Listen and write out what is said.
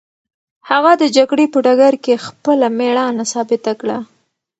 هغه د جګړې په ډګر کې خپله مېړانه ثابته کړه.